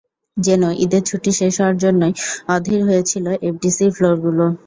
যেন ঈদের ছুটি শেষ হওয়ার জন্যই অধীর হয়ে ছিল এফডিসির ফ্লোরগুলো।